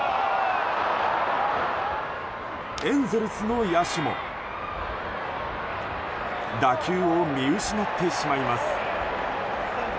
エンゼルスの野手も打球を見失ってしまいます。